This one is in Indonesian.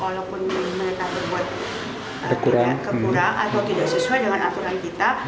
walaupun mereka berbuat tidak kekurang atau tidak sesuai dengan aturan kita